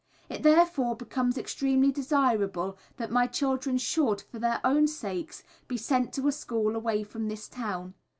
It therefore becomes extremely desirable that my children should, for their own sakes, be sent to a school away from this town.